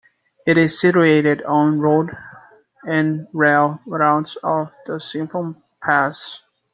It is situated on road and rail routes to the Simplon Pass.